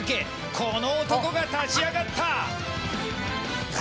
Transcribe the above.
この男が立ち上がった！